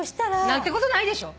何てことないでしょ？